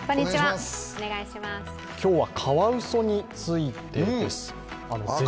今日はカワウソについてです。